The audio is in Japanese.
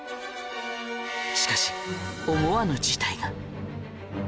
しかし思わぬ事態が。